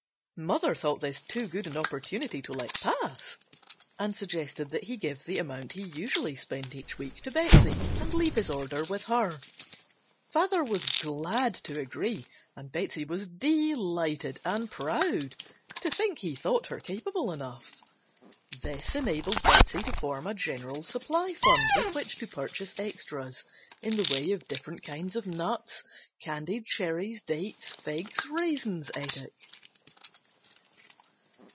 Mother thought this too good an opportunity to let pass and suggested that he give the amount he usually spent each week to Betsey, and leave his order with her. Father was glad to agree and Betsey was delighted and proud to think he thought her capable enough. This enabled Betsey to form a general supply fund with which to purchase extras in the way of different kinds of nuts, candied cherries, dates, figs, raisins, etc.